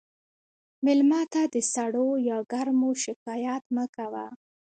مېلمه ته د سړو یا ګرمو شکایت مه کوه.